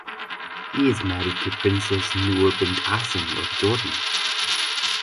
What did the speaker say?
He is married to Princess Noor bint Asem of Jordan.